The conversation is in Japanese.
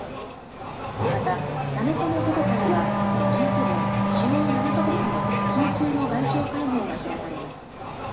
また、７日の午後からはＧ７・主要７か国の緊急の外相会合が開かれます。